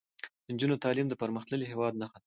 د نجونو تعلیم د پرمختللي هیواد نښه ده.